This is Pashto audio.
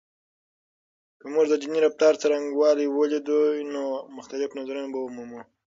که موږ د دیني رفتار څرنګوالی ولیدو، نو مختلف نظرونه به ومومو.